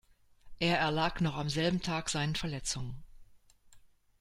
Er erlag noch am selben Tag seinen Verletzungen.